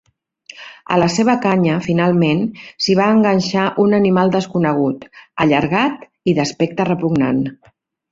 A la seva canya finalment s'hi va enganxar un animal desconegut, allargat i d'aspecte repugnant.